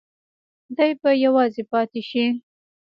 دی به یوازې پاتې شي.